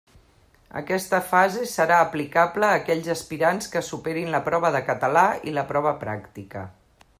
Aquesta fase serà aplicable a aquells aspirants que superin la prova de Català i la prova pràctica.